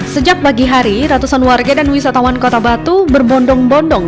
sejak pagi hari ratusan warga dan wisatawan kota batu berbondong bondong